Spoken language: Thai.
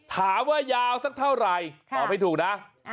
ถามว่ายาวสักเท่าไหร่ตอบให้ถูกนะ